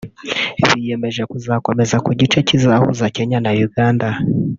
biyemeje gukomeza ku gice kizahuza Kenya na Uganda